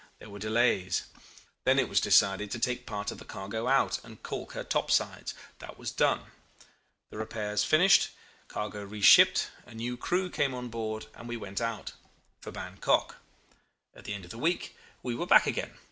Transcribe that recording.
There were delays. Then it was decided to take part of the cargo out and calk her topsides. This was done, the repairs finished, cargo re shipped; a new crew came on board, and we went out for Bankok. At the end of a week we were back again.